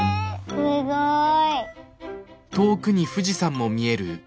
すごい。